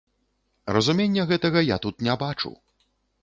Разумення гэтага я тут не бачу.